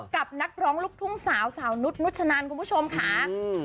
กับนักร้องลูกทุ่งสาวสาวนุษย์นุชนันคุณผู้ชมค่ะอืม